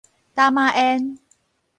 打馬煙